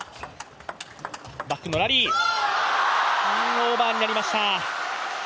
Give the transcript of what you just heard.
オーバーになりました。